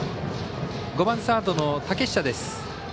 ５番サードの竹下です。